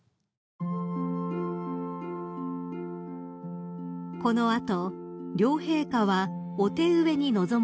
［この後両陛下はお手植えに臨まれました］